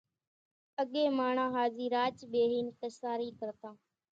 اڳيَ ماڻۿان ۿازِي راچ ٻيۿينَ ڪسارِي ڪرتان۔